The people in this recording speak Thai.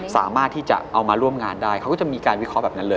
สามารถที่จะเอามาร่วมงานได้เขาก็จะมีการวิเคราะห์แบบนั้นเลย